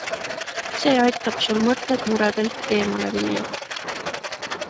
See aitab sul mõtted muredelt eemale viia.